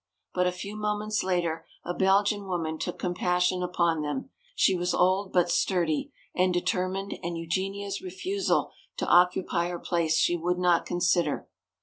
But a few moments later a Belgian woman took compassion upon them. She was old but sturdy and determined and Eugenia's refusal to occupy her place she would not consider.